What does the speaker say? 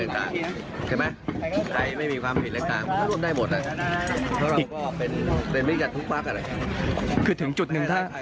ใช่ไหมใครไม่มีความผิดแล้วตามก็ร่วมได้หมดน่ะ